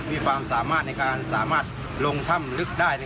มีความสามารถในการสามารถลงถ้ำลึกได้